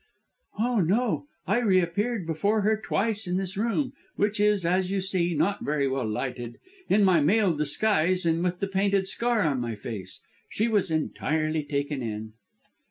"Oh, no. I appeared before her twice in this room, which is, as you see, not very well lighted, in my male disguise and with the painted scar on my face. She was entirely taken in."